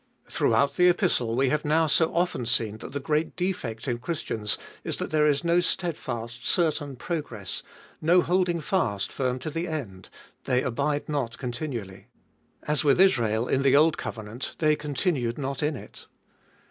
Throughout the Epistle we have now so often seen that the great defect in Christians is that there is no steadfast, certain progress, no holding fast firm to the end, — they abide not con tinually. As with Israel in the old covenant — they continued not in it.